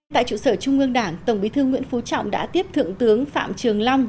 tại trụ sở trung ương đảng tổng bí thư nguyễn phú trọng đã tiếp thượng tướng phạm trường long